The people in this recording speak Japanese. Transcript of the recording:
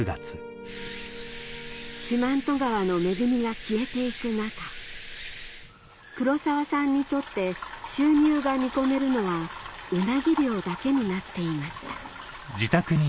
四万十川の恵みが消えていく中黒澤さんにとって収入が見込めるのはウナギ漁だけになっていました